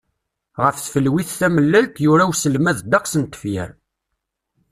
Ɣef tfelwit tamellalt, yura uselmad ddeqs n tefyar.